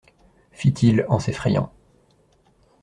Fit-il, en s'effrayant.